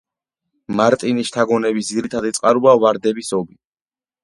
მარტინის შთაგონების ძირითადი წყაროა ვარდების ომი.